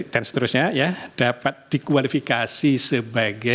dan seterusnya dapat dikualifikasi sebuah hukum administrasi